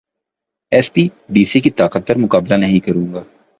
S پی، DC سی کی طاقت پر مقابلہ نہیں کروں گا